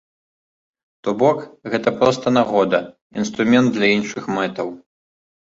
То бок гэта проста нагода, інструмент для іншых мэтаў.